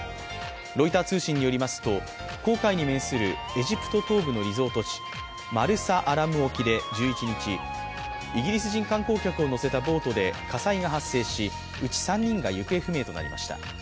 ロイター通信によりますと紅海に面するエジプト東部のリゾート地、マルサアラム沖で１１日、イギリス人観光客を乗せたボートで火災が発生し、内３人が行方不明となりました。